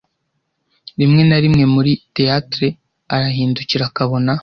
rimwe na rimwe muri theatre arahindukira akabona